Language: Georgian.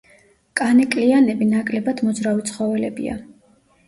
კანეკლიანები ნაკლებად მოძრავი ცხოველებია.